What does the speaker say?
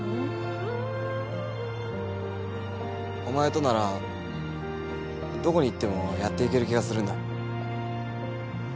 お前とならどこに行ってもやっていける気がするんだ。